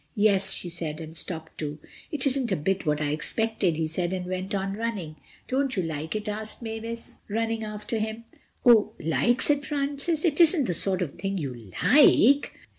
"Yes," she said and stopped too. "It isn't a bit what I expected," he said, and went on running. "Don't you like it?" asked Mavis, running after him. "Oh—like," said Francis, "it isn't the sort of thing you like."